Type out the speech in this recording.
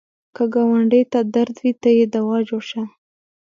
که ګاونډي ته درد وي، ته یې دوا جوړ شه